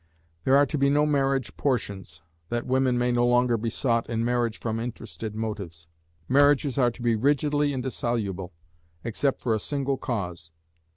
There are to be no marriage portions, that women may no longer be sought in marriage from interested motives. Marriages are to be rigidly indissoluble, except for a single cause.